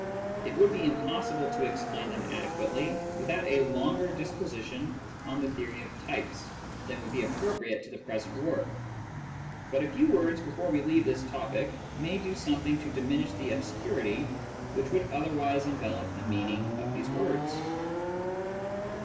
It would be impossible to explain them adequately without a longer disquisi tion on the theory of types than would be appropriate to the present work, but a few words before we leave this topic may do something to diminish the obscurity which would otherwise envelop the meaning of these words.